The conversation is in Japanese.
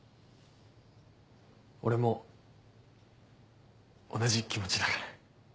俺も同じ気持ちだから。